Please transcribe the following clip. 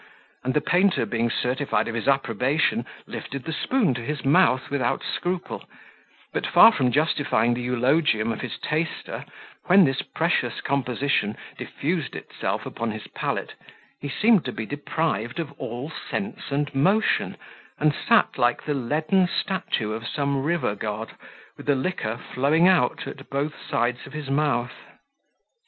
and the painter being certified of his approbation, lifted the spoon to his mouth without scruple, but far from justifying the eulogium of his taster, when this precious composition diffused itself upon his palate, he seemed to be deprived of all sense and motion, and sat like the leaden statue of some river god, with the liquor flowing out at both sides of his mouth.